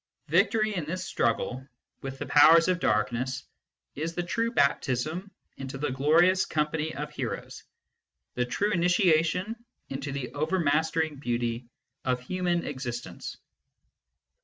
Victory, in this struggle with the powers of darkness, is the true baptism into the glorious company of heroes, the true initiation into the overmastering beauty of human existence.